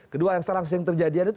kedua yang serang sesing terjadian itu